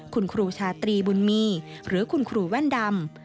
คุณครูชาตรีบุญมีหรือคุณครูแว่นดำ